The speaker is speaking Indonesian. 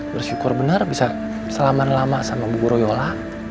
terus syukur bener bisa selama lamanya sama bu guru yola